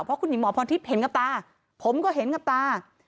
เพราะคุณหญิงหมอพรทิพย์เห็นกับตาผมก็เห็นกับตา